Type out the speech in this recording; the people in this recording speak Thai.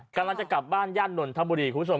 กำลังจะกลับบ้านย่านนทบุรีคุณผู้ชม